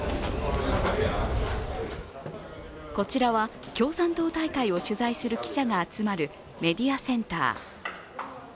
こちらは共産党大会を取材する記者が集まるメディアセンター。